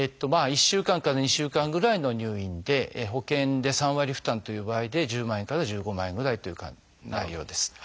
１週間から２週間ぐらいの入院で保険で３割負担という場合で１０万円から１５万円ぐらいという内容です。